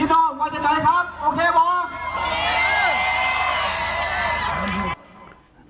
อี้น่าว่าจะได้ครับโอเคหรอ